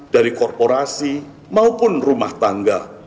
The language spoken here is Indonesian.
dari korporasi maupun rumah tangga